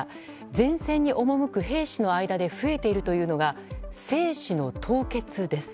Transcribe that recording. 前線に赴く兵士の間で増えているというのが精子の凍結です。